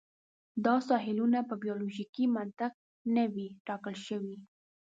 دا ساحلونه په بیولوژیکي منطق نه وې ټاکل شوي.